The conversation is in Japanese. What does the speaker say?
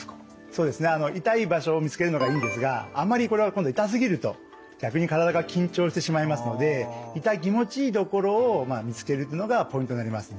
そうですね痛い場所を見つけるのがいいんですがあんまりこれは今度痛すぎると逆に体が緊張してしまいますので痛気持ちいいところを見つけるというのがポイントになります。